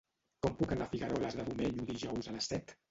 Com puc anar a Figueroles de Domenyo dijous a les set?